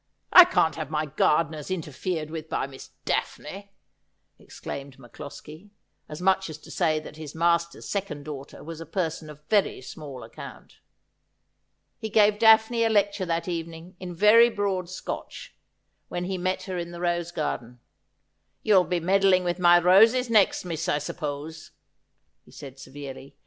I can't have my gardeners interfered with by Miss Daphne,' exclaimed MacCloskie ; as much as to say that his master's second daughter was a person of very small account. He gave Daphne a lecture that evening, in very broad Scotch, when he met her in the rose garden. ' You'll be meddling with my roses next, miss, I suppose,' he said severely.